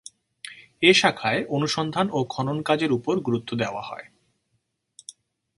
এ শাখায় অনুসন্ধান ও খনন কাজের উপর গুরুত্ব দেওয়া হয়।